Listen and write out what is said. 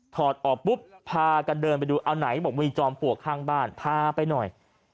อดออกปุ๊บพากันเดินไปดูเอาไหนบอกมีจอมปลวกข้างบ้านพาไปหน่อย